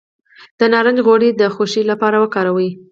د نارنج غوړي د خوښۍ لپاره وکاروئ